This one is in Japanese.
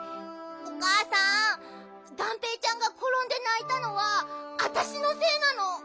おかあさんがんぺーちゃんがころんでないたのはあたしのせいなの。